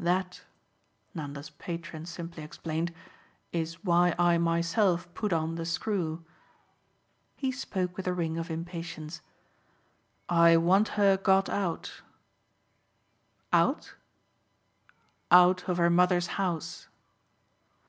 That," Nanda's patron simply explained, "is why I myself put on the screw." He spoke with the ring of impatience. "I want her got out." "'Out'?" "Out of her mother's house."